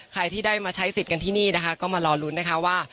ใครที่ได้มาใช้สิทธิ์กันที่นี่นะคะก็มารอลุ้นนะคะว่า